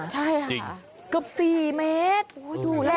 เกือบสี่เมตร